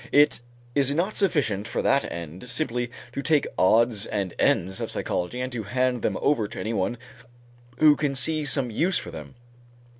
It is not sufficient for that end, simply to take odds and ends of psychology and to hand them over to anyone who can see some use for them.